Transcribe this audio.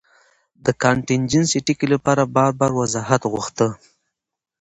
د کانټېنجنسي ټکي له پاره بار بار وضاحت غوښتۀ